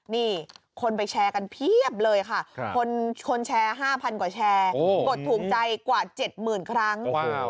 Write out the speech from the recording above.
นี่คนไปแชร์กันเพียบเลยค่ะคนแชร์๕๐๐กว่าแชร์กดถูกใจกว่า๗๐๐๐ครั้ง